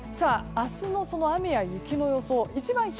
明日の雨や雪の予想。